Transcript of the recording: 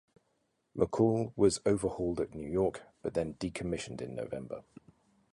"McCall" was overhauled at New York but then decommissioned in November.